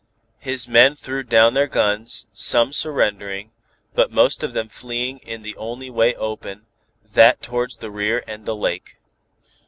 His men threw down their guns, some surrendering, but most of them fleeing in the only way open, that towards the rear and the Lake.